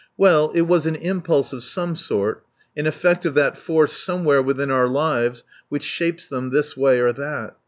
Well, it was an impulse of some sort; an effect of that force somewhere within our lives which shapes them this way or that.